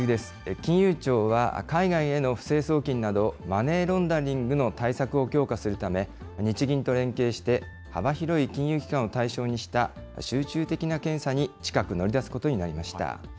金融庁は海外への不正送金など、マネーロンダリングの対策を強化するため、日銀と連携して、幅広い金融機関を対象にした集中的な検査に近く乗り出すことになりました。